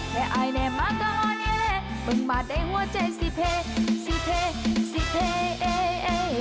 แค่อายแน่มากก็อ่อนเยอะเลยบึงบาดได้หัวใจสิเทสิเทสิเท